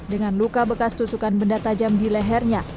dengan luka bekas tusukan benda tajam di lehernya